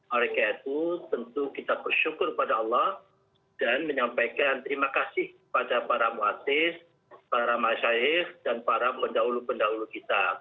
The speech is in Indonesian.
oleh karena itu tentu kita bersyukur kepada allah dan menyampaikan terima kasih kepada para ⁇ muatis para masyaif dan para pendahulu pendahulu kita